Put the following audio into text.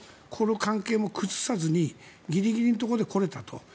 この関係も崩さずにギリギリのところで来れたと。